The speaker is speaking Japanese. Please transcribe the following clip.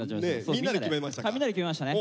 みんなで決めましたね。